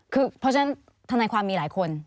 คือเพราะฉะนั้นทนายความมีหลายคน